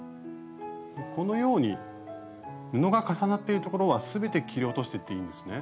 このように布が重なってる所は全て切り落としていっていいんですね？